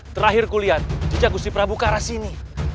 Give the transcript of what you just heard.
terakhir kuliah di jago gusti prabu ke arah sini